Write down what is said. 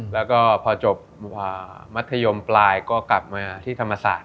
แล้วก็พอจบมัธยมปลายก็กลับมาที่ธรรมศาสตร์